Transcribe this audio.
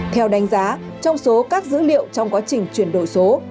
theo đánh giá trong số các dữ liệu trong quá trình chuyển đổi số